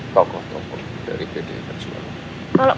tokoh tokoh dari uno